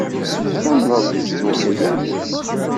Tettamneḍ s ttewḥeyyat?